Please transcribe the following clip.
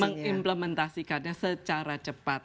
mengimplementasikannya secara cepat